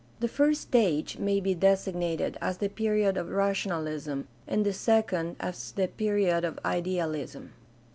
The first stage may be designated as the period of rationalism and the second as the period of idealism.